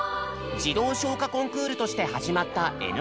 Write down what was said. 児童唱歌コンクールとして始まった「Ｎコン」。